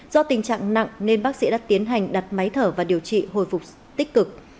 do tình trạng nặng nên bác sĩ đã tiến hành đặt máy thở và điều trị hồi phục tích cực